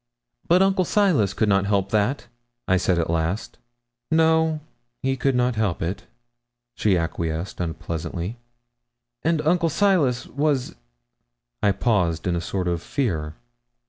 'But Uncle Silas could not help that,' I said at last. 'No, he could not help it,' she acquiesced unpleasantly. 'And Uncle Silas was' I paused in a sort of fear.